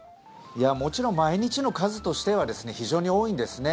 もちろん毎日の数としては非常に多いんですね。